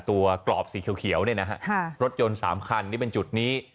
ตัวกรอบสีเขียวเขียวเนี้ยนะฮะฮะรถยนต์สามคันนี่เป็นจุดนี้